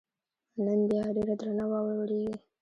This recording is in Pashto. نن بیا ډېره درنه واوره ورېږي.